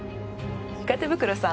鹿手袋さん。